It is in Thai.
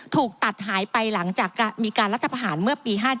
ถูกตัดหายไปหลังจากมีการรัฐประหารเมื่อปี๕๗